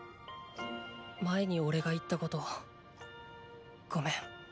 前におれが言ったことごめん。